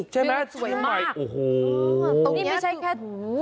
ใช่ไหมโอ้โห